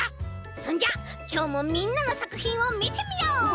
そんじゃきょうもみんなのさくひんをみてみよう！